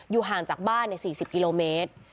ห่างจากบ้าน๔๐กิโลเมตร